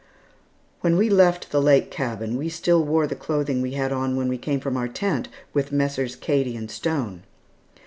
When we left the lake cabin, we still wore the clothing we had on when we came from our tent with Messrs. Cady and Stone.